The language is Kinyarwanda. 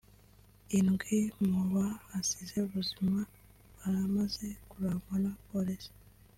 Indwi mu bahasize ubuzima baramaze kurangwa n'abapolisi